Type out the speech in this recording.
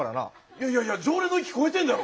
いやいやいや常連の域超えてんだろ。